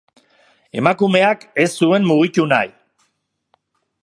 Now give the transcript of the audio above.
Emakumeak ez zuen mugitu nahi.